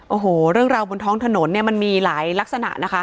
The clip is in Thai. โอ้โหเรื่องราวบนท้องถนนเนี่ยมันมีหลายลักษณะนะคะ